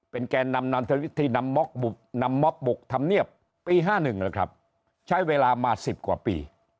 เป็นแก่นำนผสมบุกธรรมเนียบปีห้าหนึ่งครับใช้เวลามา๑๐กว่าปี